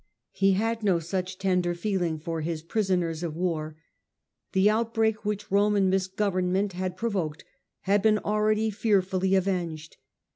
He had no such tender feeling for his prisoners of war. The outbreak which Roman misgovernment had pro voked had been already fearfully avenged.